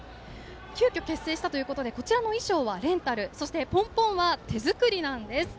急きょ結成したということでこちらの衣装はレンタルそしてポンポンは手作りなんです。